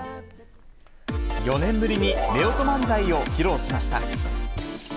４年ぶりにめおと漫才を披露しました。